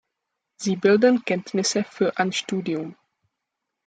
Sie bilden Kenntnisse für ein Studium.